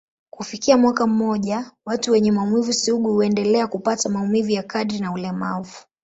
Kufikia mwaka mmoja, watu wenye maumivu sugu huendelea kupata maumivu ya kadri na ulemavu.